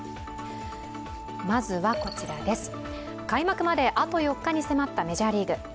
開幕まであと４日に迫ったメジャーリーグ。